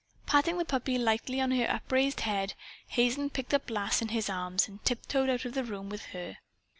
Patting the puppy lightly on her upraised head, Hazen picked up Lass in his arms and tiptoed out of the room with her.